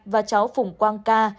và cháu phùng quang ca